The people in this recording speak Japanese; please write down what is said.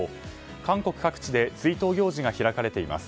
韓国各地で追悼行事が開かれています。